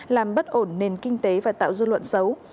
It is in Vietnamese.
làm bất ổn nền kinh tế và tạo dư luận xấu